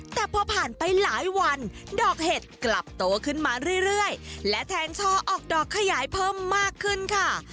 แต่พอผ่านไปหลายวันดอกเห็ดกลับโตขึ้นมาเรื่อยและแทงช่อออกดอกขยายเพิ่มมากขึ้นค่ะ